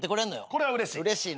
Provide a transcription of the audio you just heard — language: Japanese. これはうれしい。